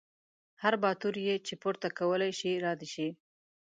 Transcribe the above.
هر باتور یې چې پورته کولی شي را دې شي.